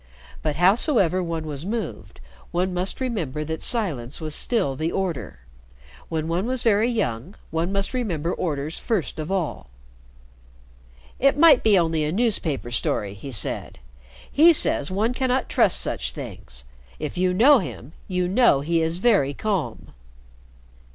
But howsoever one was moved, one must remember that silence was still the order. When one was very young, one must remember orders first of all. "It might be only a newspaper story," he said. "He says one cannot trust such things. If you know him, you know he is very calm."